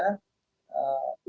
untuk bisa dimanfaatkan